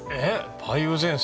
梅雨前線？